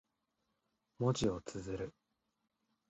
文字を綴る。